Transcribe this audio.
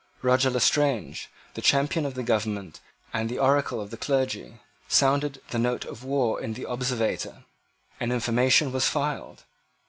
Roger Lestrange, the champion of the government and the oracle of the clergy, sounded the note of war in the Observator. An information was filed.